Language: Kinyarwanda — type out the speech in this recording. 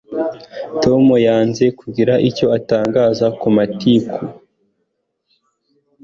Tom yanze kugira icyo atangaza ku matiku